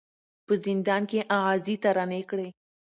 په زندان کي یې آغازي ترانې کړې